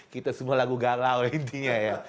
kita semua lagu galau intinya ya